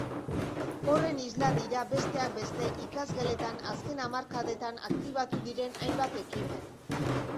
Horren isla dira, besteak beste, ikasgeletan azken hamarkadetan aktibatu diren hainbat ekimen.